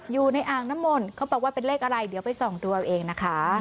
อยู่ในอ่างน้ำมนต์เขาบอกว่าเป็นเลขอะไรเดี๋ยวไปส่องดูเอาเองนะคะ